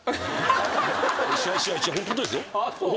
ホントですよ。